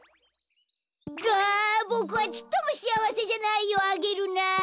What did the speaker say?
ああっボクはちっともしあわせじゃないよアゲルナー！